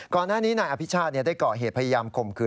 ก่อนหน้านี้นายอภิชาติได้ก่อเหตุพยายามข่มขืน